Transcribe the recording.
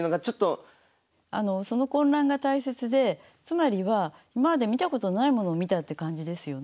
その混乱が大切でつまりは今まで見たことのないものを見たって感じですよね。